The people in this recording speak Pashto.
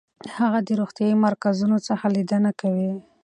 هغه د روغتیايي مرکزونو څخه لیدنه کوي.